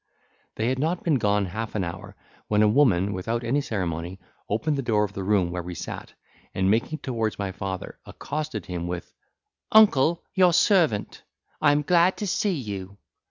They had not been gone half an hour, when a woman, without any ceremony, opened the door of the room where we sat, and, making towards my father, accosted him with, "Uncle, your servant—I am glad to see you."